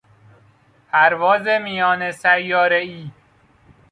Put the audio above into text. پرواز میان سیارهای